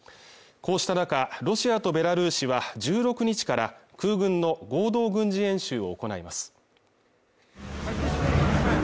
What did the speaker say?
こうした中ロシアとベラルーシは１６日から空軍の合同軍事演習を行います